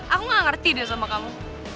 aku gak ngerti dia sama kamu